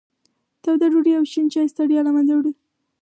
توده ډوډۍ او شین چای ستړیا له منځه وړي.